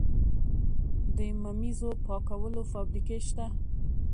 د ممیزو پاکولو فابریکې شته؟